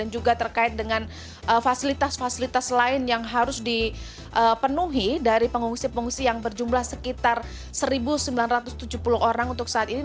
juga terkait dengan fasilitas fasilitas lain yang harus dipenuhi dari pengungsi pengungsi yang berjumlah sekitar satu sembilan ratus tujuh puluh orang untuk saat ini